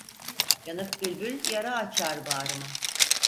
Yanık bülbül yara açar bağrıma.